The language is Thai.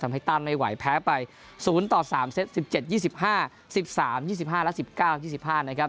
ทำให้ตั้งไม่ไหวแพ้ไป๐๓๑๗๒๕๑๓๒๕๑๙๒๕นะครับ